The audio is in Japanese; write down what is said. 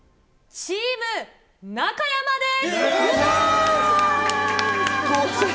チーム中山です。